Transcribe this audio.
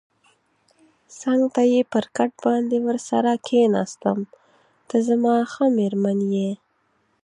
څنګ ته یې پر کټ باندې ورسره کېناستم، ته زما ښه مېرمن یې.